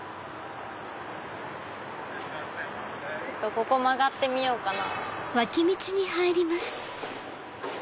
ここ曲がってみようかな。